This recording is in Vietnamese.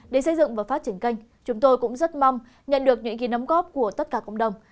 để xây dựng và phát triển kênh chúng tôi cũng rất mong nhận được những ghi nấm góp của tất cả cộng đồng